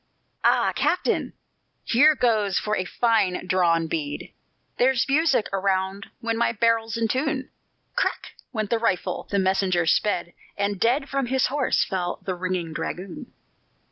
"Ah, captain! here goes for a fine drawn bead, There's music around when my barrel's in tune!" Crack! went the rifle, the messenger sped, And dead from his horse fell the ringing dragoon.